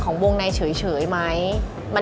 ของวงในเฉยไหม